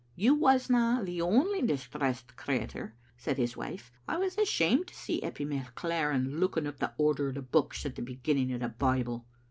"You wasna the only distressed crittur," said his wife. " I was ashamed to see Eppie McLaren looking up the order o' the books at the beginning o' the Bible."